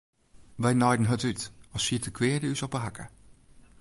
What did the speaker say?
Wy naaiden hurd út as siet de kweade ús op 'e hakke.